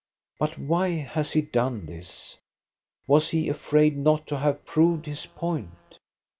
But why has he done this? Was he afraid not to have proved his point?